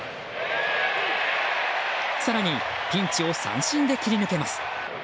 更にピンチを三振で切り抜けます。